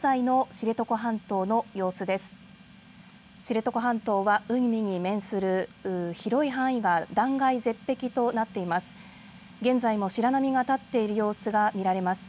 知床半島は海に面する広い範囲が断崖絶壁となっています。